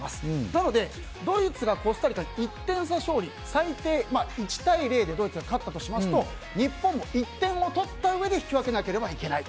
なのでドイツがコスタリカに１点差勝利最低１対０でドイツが勝ったとしますと日本は１点を取ったうえで引き分けなければいけない。